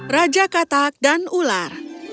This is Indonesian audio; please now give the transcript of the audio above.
raja katak dan ular